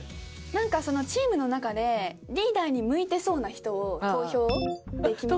なんかチームの中でリーダーに向いてそうな人を投票で決めたり。